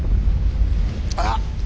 あっ。